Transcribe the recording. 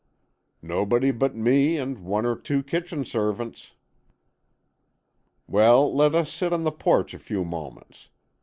"Nobody but me and one or two kitchen servants." "Well, let us sit on the porch a few moments. Mr.